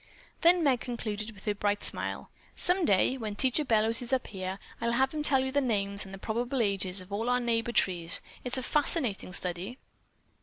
Then Meg concluded with her bright smile: "Some day, when Teacher Bellows is up here, I'll have him tell you the names and probable ages of all our neighbor trees! It's a fascinating study."